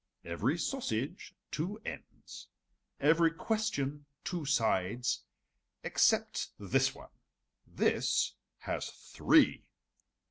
"Every sausage two ends, every question two sides, except this one this has three."